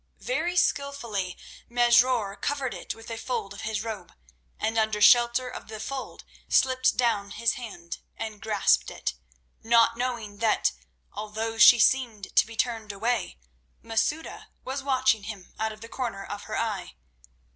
Very skilfully Mesrour covered it with a fold of his robe, and under shelter of the fold slipped down his hand and grasped it, not knowing that although she seemed to be turned away, Masouda was watching him out of the corner of her eye.